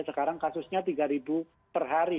sekarang kasusnya tiga ribu per hari